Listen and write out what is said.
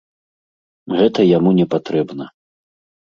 Гэта яму не патрэбна.